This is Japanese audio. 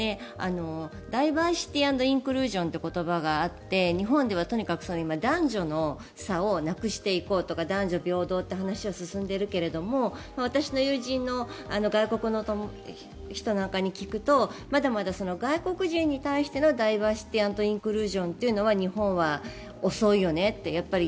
ダイバーシティー・アンド・インクルージョンという言葉があって日本ではとにかく男女の差をなくしていこうとか男女平等という話は進んでいるけれども私の友人の外国の人なんかに聞くとまだまだ外国人に対してのダイバーシティー・アンド・インクルージョンというのは日本は遅いよねって。